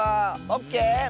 オッケー！